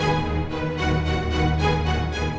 gak ada kan